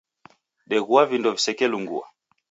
Deghua vindo visekelungua